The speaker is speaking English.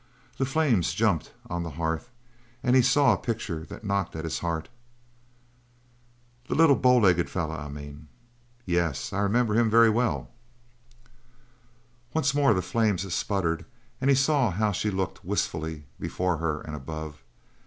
The flames jumped on the hearth, and he saw a picture that knocked at his heart. "The little bow legged feller, I mean." "Yes, I remember him very well." Once more the flames sputtered and he saw how she looked wistfully before her and above.